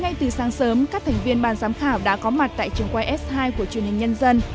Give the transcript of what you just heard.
ngay từ sáng sớm các thành viên ban giám khảo đã có mặt tại trường quay s hai của truyền hình nhân dân